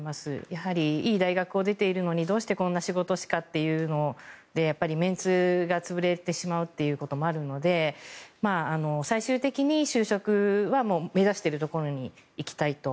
やはり、いい大学を出ているのにどうしてこんな仕事しかというのでやっぱりメンツが潰れてしまうということもあるので最終的に就職は目指しているところに行きたいと。